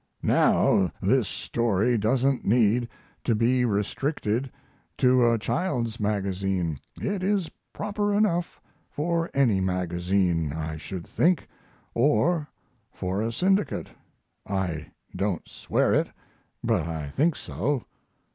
Now, this story doesn't need to be restricted to a child's magazine it is proper enough for any magazine, I should think, or for a syndicate. I don't swear it, but I think so.